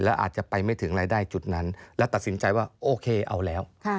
แล้วอาจจะไปไม่ถึงรายได้จุดนั้นและตัดสินใจว่าโอเคเอาแล้ว